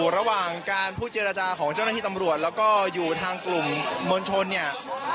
ระหว่างการพูดเจรจาของเจ้าหน้าที่ตำรวจแล้วก็อยู่ทางกลุ่มมวลชนเนี่ย